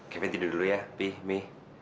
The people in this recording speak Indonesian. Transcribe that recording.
kevin tidur dulu ya pih mi